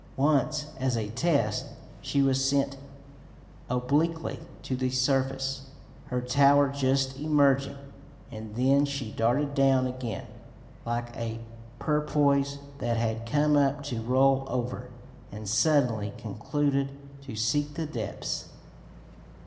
Once, as a test, she was sent obliquely to the surface, her tower just emerging, and then she darted downward again, like a porpoise that had come up to roll over, and suddenly concluded to seek the depths.